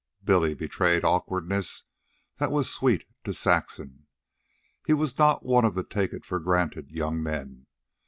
Billy betrayed awkwardness that was sweet to Saxon. He was not one of the take it for granted young men.